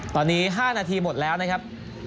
ตอนนี้๕นาทีหมดแล้วนะครับ